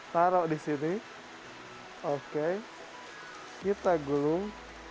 taruh di sini oke kita gulung